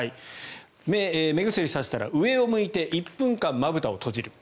目薬を差したら上を向いて１分間まぶたを閉じる。